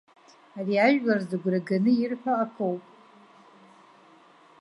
Ари ажәлар зыгәра ганы ирҳәо акоуп.